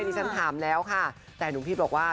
ที่ฉันถามแล้วค่ะแต่หนุ่มพีชบอกว่า